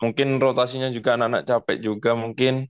mungkin rotasinya juga anak anak capek juga mungkin